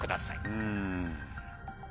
うん。